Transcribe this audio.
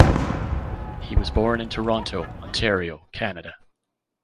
He was born in Toronto, Ontario, Canada.